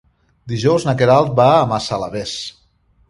Dijous na Queralt va a Massalavés.